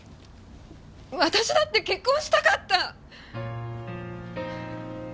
私だって結婚したかった！